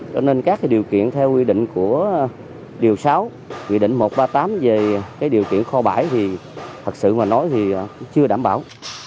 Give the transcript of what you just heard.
cho nên các điều kiện theo quy định của điều sáu nghị định một trăm ba mươi tám về điều kiện kho bãi thì thật sự mà nói thì cũng chưa đảm bảo